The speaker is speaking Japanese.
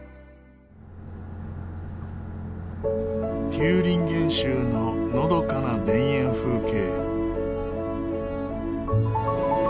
テューリンゲン州ののどかな田園風景。